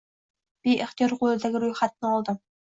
Beixtiyor qo`lidagi ro`yxatni oldim